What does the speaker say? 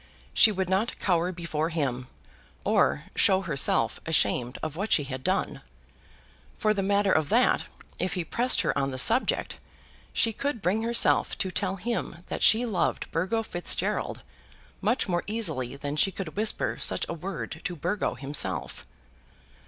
She would not cower before him, or show herself ashamed of what she had done. For the matter of that, if he pressed her on the subject, she could bring herself to tell him that she loved Burgo Fitzgerald much more easily than she could whisper such a word to Burgo himself.